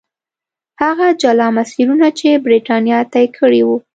هغه جلا مسیرونه چې برېټانیا طی کړي وو.